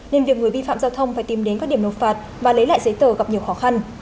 nên việc người vi phạm giao thông phải tìm đến các điểm nộp phạt và lấy lại giấy tờ gặp nhiều khó khăn